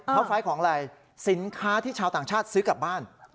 ท็อป๕ของอะไรสินค้าที่ชาวต่างชาติซื้อกลับบ้าน